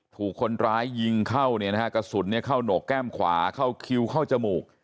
ถูกคนร้ายยิงเข้าเนี่ยนะฮะกระสุนเข้าโหนกแก้มขวาเข้าคิวเข้าจมูก